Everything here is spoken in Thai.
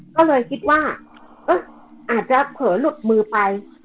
ก็เลยคิดว่าอาจจะเผลอหลุดมือไป